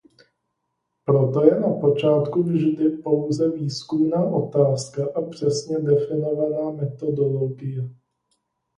Proto je na počátku vždy pouze výzkumná otázka a přesně definovaná metodologie.